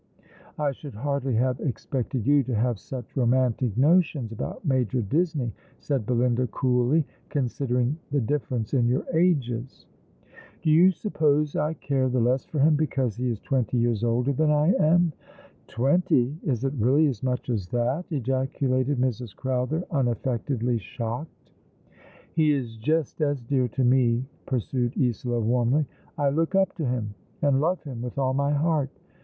" "I should hardly have expected you to have such romantic notions about Major Disney," said Belinda, coolly, " considering the difference in your ages." ^' Oh Moment One and Infinite !'^ 45 *' Do you suppose I care the less for him because he is twenty years older than I am ?"" Twenty ! Is it really as much as that ?" ejaculated Mrs. Crowther, unaffectedly shocked. "He is just as dear to me," pursued Isola, warmly. "I look up to him, and love him with all my heart.